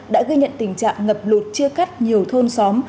đã gây nhận tình trạng ngập lụt chia cắt nhiều thôn xóm